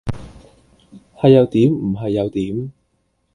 係又點唔係有點？